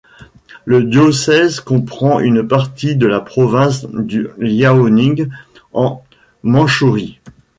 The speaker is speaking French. Le diocèse comprend une partie de la province du Liaoning en Mandchourie.